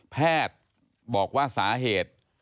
แพทย์บอกว่าสาเหตุ